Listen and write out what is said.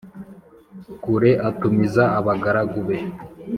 Kure atumiza abagaragu be